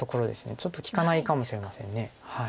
ちょっと利かないかもしれません。